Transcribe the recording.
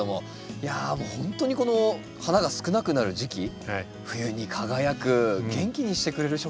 いやほんとにこの花が少なくなる時期冬に輝く元気にしてくれる植物ですね。